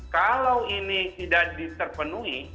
kalau ini tidak diterpenuhi